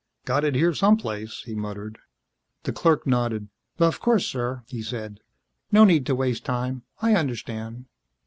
"Got it here some place," he muttered. The clerk nodded. "Of course, sir," he said. "No need to waste time. I understand."